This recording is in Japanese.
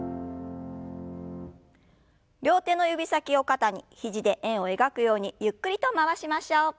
両手の指先を肩に肘で円を描くようにゆっくりと回しましょう。